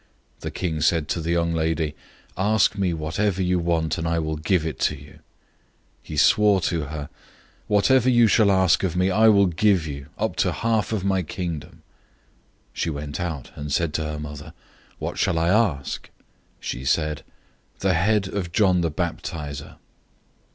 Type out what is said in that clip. The king said to the young lady, "Ask me whatever you want, and I will give it to you." 006:023 He swore to her, "Whatever you shall ask of me, I will give you, up to half of my kingdom." 006:024 She went out, and said to her mother, "What shall I ask?" She said, "The head of John the Baptizer."